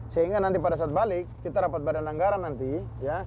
sehingga nanti pada saat balik kita rapat badan anggaran nanti ya